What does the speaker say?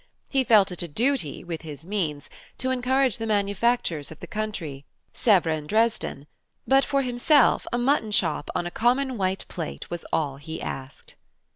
He felt it a duty, with his means, to encourage the manufactures of the country (Sèvres and Dresden!), but for himself, a mutton chop on a common white plate was all he asked.